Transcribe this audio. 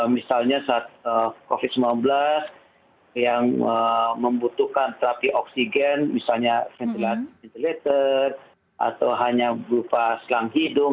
misalnya saat covid sembilan belas yang membutuhkan terapi oksigen misalnya ventilator atau hanya berupa selang hidung